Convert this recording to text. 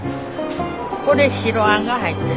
これ白あんが入ってる。